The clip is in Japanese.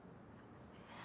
えっ。